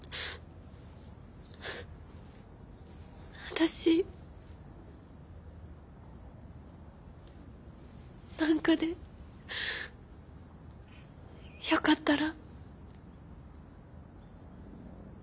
私なんかでよかったら。